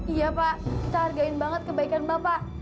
iya pak kita hargai banget kebaikan bapak